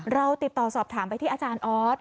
เราติดต่อสอบถามไปที่อาจารย์ออส